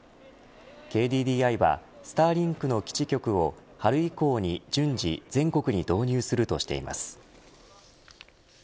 ＫＤＤＩはＳｔａｒｌｉｎｋの基地局を春以降に順次全国に導入するとしています。